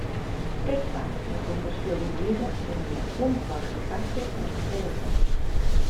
Per tant, la conversió d'un líder tenia un fort impacte en la seva gent.